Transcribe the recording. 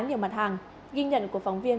nhiều mặt hàng ghi nhận của phóng viên